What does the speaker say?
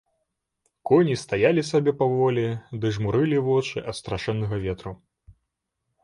Коні стаялі сабе паволі ды жмурылі вочы ад страшэннага ветру.